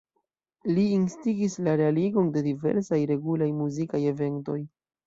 Li instigis la realigon de diversaj regulaj muzikaj eventoj.